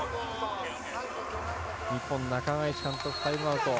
日本、中垣内監督タイムアウト。